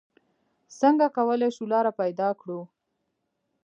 څنګه کولې شو لاره پېدا کړو؟